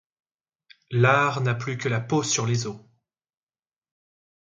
L'art n'a plus que la peau sur les os.